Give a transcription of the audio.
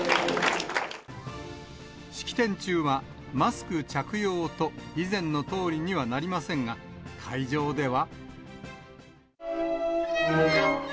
式典中はマスク着用と以前のとおりにはなりませんが、会場では。